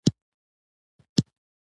پر خپلې کورنۍ مې زېری وکړ.